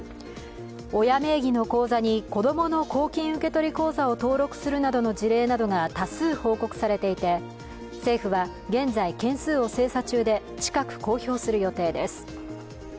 親名義の口座に子供の公金受取口座を登録するなどの事例などが多数報告されていて政府は現在、件数を精査中で近く公表する予定です。